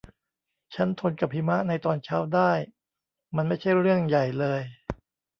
ฉันทนกับหิมะในตอนเช้าได้ มันไม่ใช่เรื่องใหญ่เลย